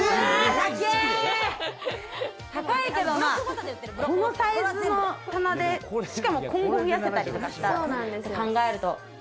高いけど、まぁ、このサイズの棚で、しかも今後増やせたりとかしたり考えると。